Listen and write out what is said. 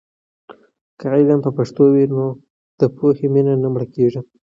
که علم په پښتو وي، نو د پوهې مینه نه مړه کېږي.